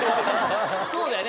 そうだよね